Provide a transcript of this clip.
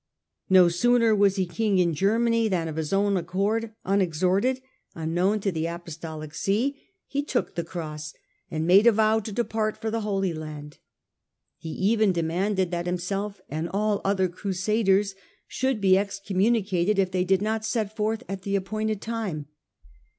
No sooner was he king in Germany than, of his own accord, unexhorted, unknown to the Apostolic THE FIRST EXCOMMUNICATION 81 See, he took the Cross and made a vow to depart for the Holy Land ; he even demanded that himself and all other Crusaders should be excommunicated if they did not set forth at the appointed time.